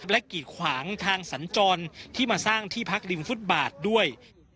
และกีดขวางทางสัญจรที่มาสร้างที่พักริมฟุตบาทด้วย